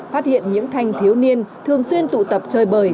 phát hiện những thanh thiếu niên thường xuyên tụ tập chơi bời